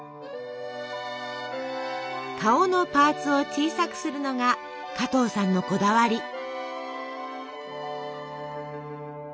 顔のパーツを小さくするのが加藤さんのこだわり。